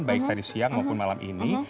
baik tadi siang maupun malam ini